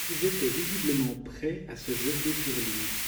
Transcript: Ils étaient visiblement prêts à se jeter sur lui.